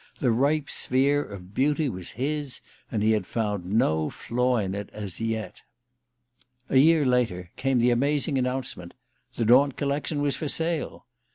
The ripe sphere of beauty was his, and he had found no flaw in it as yet... A year later came the amazing announcement the Daunt collection was for sale.